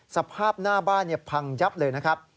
สภาพหน้าบ้านพังยับเลยนะครับ